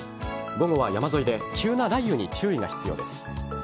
午後は山沿いで急な雷雨に注意が必要です。